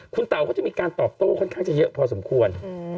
คุณเต๋าเขาจะมีการตอบโต้ค่อนข้างจะเยอะพอสมควร